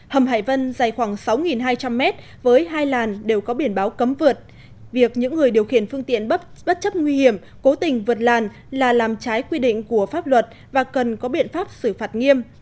hầm hải vân dài khoảng sáu hai trăm linh mét với hai làn đều có biển báo cấm vượt việc những người điều khiển phương tiện bất chấp nguy hiểm cố tình vượt làn là làm trái quy định của pháp luật và cần có biện pháp xử phạt nghiêm